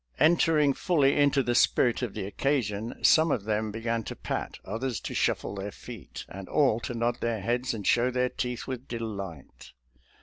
En tering fully into the spirit of the occasion, some of them began to pat, others to shuffle their feet, and all to nod their heads and show their teeth with delight.